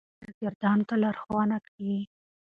ښوونکي شاګردانو ته لارښوونه کوي.